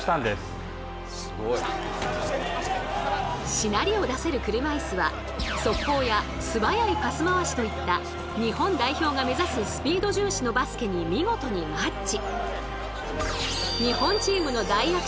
しなりを出せる車いすは速攻やすばやいパス回しといった日本代表が目指すスピード重視のバスケに見事にマッチ。